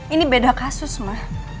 ini beda kasus ma